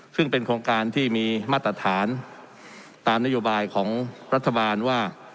ซึ่งเป็นโครงการที่มีมาตรฐานตามนโยบายของรัฐบาลว่า